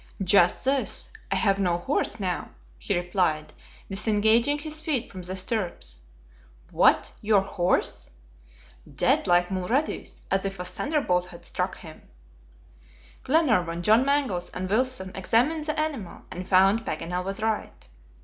"Just this. I have no horse, now!" he replied, disengaging his feet from the stirrups. "What! your horse?" "Dead like Mulrady's, as if a thunderbolt had struck him." Glenarvan, John Mangles, and Wilson examined the animal; and found Paganel was right.